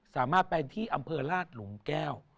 สามารถไปที่อำเภอราชหลุมแก้ว